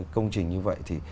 công trình như vậy thì